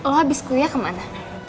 lo abis kuliah kemana